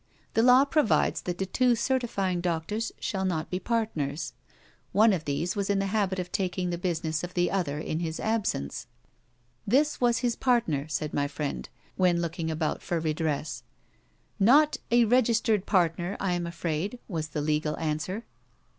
The law provides that the two certifying doctors shall not be partners. One of these was in the habit of taking the business of the other in his absence. 'This was his partner,' said my friend, when looking about for redress. 'Not a registered partner, I am afraid,' was the legal answer.